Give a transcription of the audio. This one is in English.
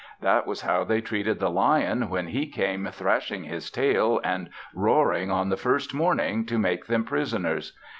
That was how they treated the lion, when he came thrashing his tail and roaring on the first morning to make them prisoners.